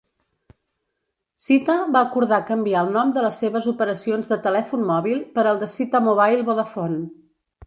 Cyta va acordar canviar el nom de les seves operacions de telèfon mòbil per el de Cytamobile-Vodafone.